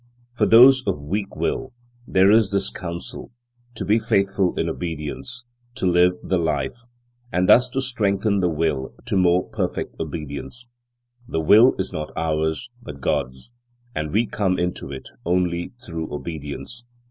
For those of weak will, there is this counsel: to be faithful in obedience, to live the life, and thus to strengthen the will to more perfect obedience. The will is not ours, but God's, and we come into it only through obedience.